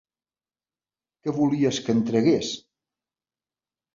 Què volies que en tragués?